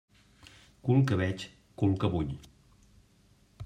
Cul que veig, cul que vull.